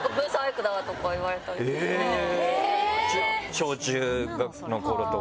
小中の頃とか？